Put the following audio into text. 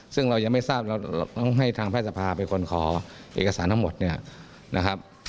ซึ่งเรายังไม่ทราบเราต้องให้ทางแพทย์สภาเป็นคนขอเอกสารทั้งหมดเนี่ยนะครับ